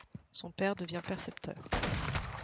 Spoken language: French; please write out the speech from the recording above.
Son père devient percepteur.